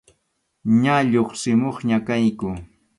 Ña lluqsimuqña kayku.